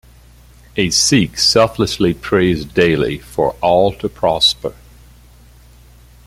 A Sikh selflessly prays daily for "all to prosper"'.